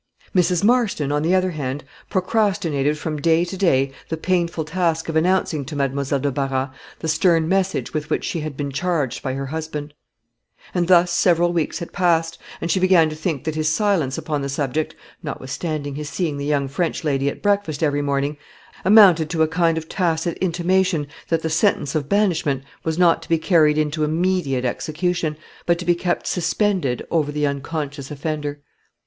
Mrs. Marston, on the other hand, procrastinated from day to day the painful task of announcing to Mademoiselle de Barras the stern message with which she had been charged by her husband. And thus several weeks had passed, and she began to think that his silence upon the subject, notwithstanding his seeing the young French lady at breakfast every morning, amounted to a kind of tacit intimation that the sentence of banishment was not to be carried into immediate execution, but to be kept suspended over the unconscious offender.